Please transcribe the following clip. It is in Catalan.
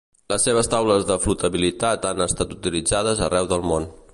Les seves taules de flotabilitat han estat utilitzades arreu del món.